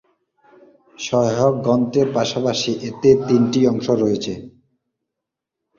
সহায়ক গ্রন্থের পাশাপাশি এতে তিনটি অংশ রয়েছে: হেমিংওয়ের লেখনী, চিত্র ও বিভিন্ন পরিভাষার টীকা-টিপ্পনী।